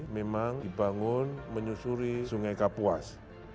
memang dibangun menyusuri sungai kapuas